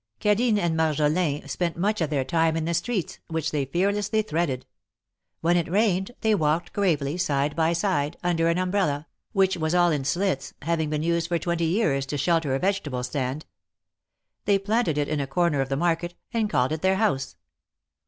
Cadine and Marjolin spent much of their time in the streets, which they fearlessly threaded. When it rained, they walked gravely, side by side, under an umbrella, which was all in slits, having been used for twenty years to shelter a vegetable stand. They planted it in a corner of the market, and called it their house.